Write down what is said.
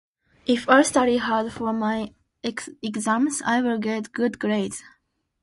If I study hard for my exams, I will get good grades.